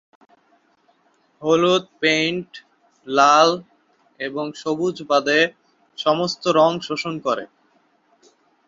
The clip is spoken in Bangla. হলুদ পেইন্ট লাল এবং সবুজ বাদে সমস্ত রং শোষণ করে।